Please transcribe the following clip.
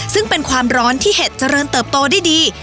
ซึ่งเป็นความร้อนที่เห็ดเจริญเติบโตได้ดี